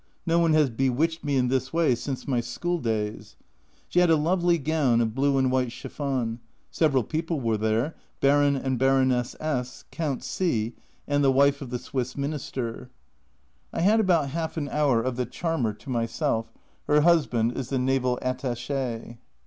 No one has bewitched me in this way since my school days. She had a lovely gown of blue and white chiffon. Several people were there Baron and Baroness S , Count C , and the wife of the Swiss Minister. I had about half an hour of the Charmer to myself her husband is the Naval Attache.